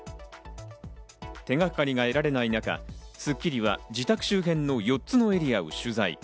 手掛かりが得られない中、『スッキリ』は自宅周辺の４つのエリアを取材。